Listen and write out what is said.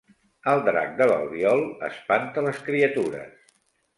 El drac de l'Albiol espanta les criatures